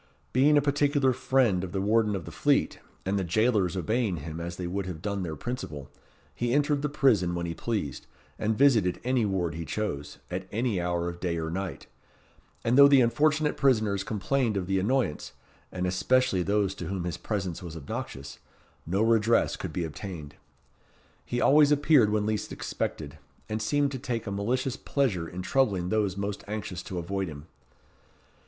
Being a particular friend of the Warden of the Fleet, and the jailers obeying him as they would have done their principal, he entered the prison when he pleased, and visited any ward he chose, at any hour of day or night; and though the unfortunate prisoners complained of the annoyance, and especially those to whom his presence was obnoxious, no redress could be obtained. He always appeared when least expected, and seemed to take a malicious pleasure in troubling those most anxious to avoid him.